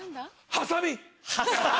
ハサミ！